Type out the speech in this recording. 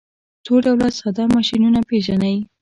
څو ډوله ساده ماشینونه پیژنئ.